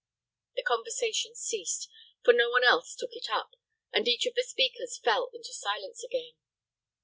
The conversation ceased; for no one else took it up, and each of the speakers fell into silence again.